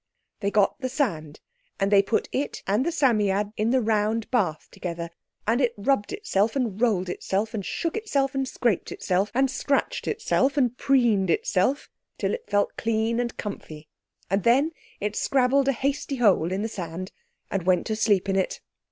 They got the sand, and they put it and the Psammead in the round bath together, and it rubbed itself, and rolled itself, and shook itself and scraped itself, and scratched itself, and preened itself, till it felt clean and comfy, and then it scrabbled a hasty hole in the sand, and went to sleep in it.